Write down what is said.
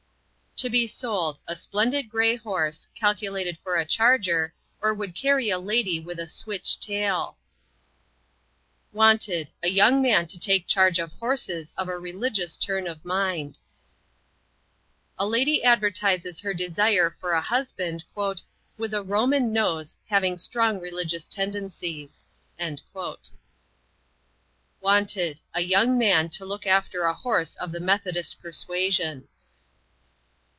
To be sold, a splendid gray horse, calculated for a charger, or would carry a lady with a switch tail. Wanted, a young man to take charge of horses of a religious turn of mind. A lady advertises her desire for a husband "with a Roman nose having strong religious tendencies." Wanted, a young man to look after a horse of the Methodist persuasion.